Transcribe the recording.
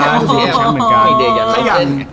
อยู่ในแชมป์เหมือนกัน